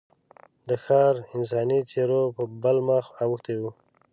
د ښار انساني څېره په بل مخ اوښتې وه.